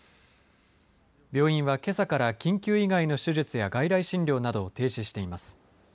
病院は、けさから緊急以外の手術や外来診療などを停止しています。